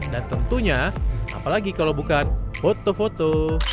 dan tentunya apalagi kalau bukan foto foto